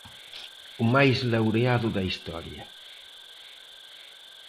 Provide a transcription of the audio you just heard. O máis laureado da historia.